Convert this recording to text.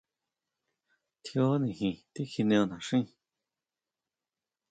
Tjíó nijin tikjineo naxíi.